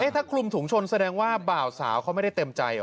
ถ้าคลุมถุงชนแสดงว่าบ่าวสาวเขาไม่ได้เต็มใจ